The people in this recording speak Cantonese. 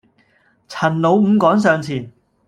陳老五趕上前，